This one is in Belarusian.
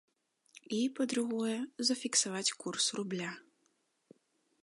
І, па-другое, зафіксаваць курс рубля.